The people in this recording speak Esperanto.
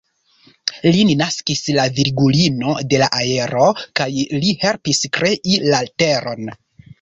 Lin naskis la Virgulino de la Aero, kaj li helpis krei la teron.